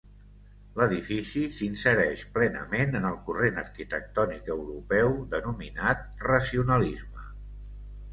L'edifici s'insereix plenament en el corrent arquitectònic europeu denominat Racionalisme.